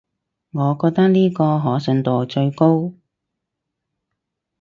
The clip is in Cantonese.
我覺得呢個可信度最高